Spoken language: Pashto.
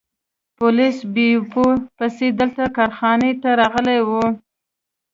پولیس بیپو پسې دلته کارخانې ته راغلي وو.